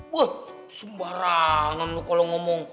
wah sembarangan lu kalau ngomong